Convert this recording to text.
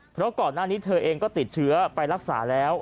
เพราะก่อนหน้านี้เธอเองก็ติดเชื้อไปรักษาแล้ว